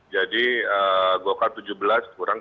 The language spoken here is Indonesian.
jadi golkar tujuh belas kurang tiga